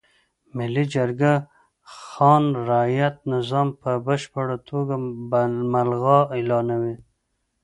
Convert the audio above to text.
ملي جرګه خان رعیت نظام په بشپړه توګه ملغا اعلانوي.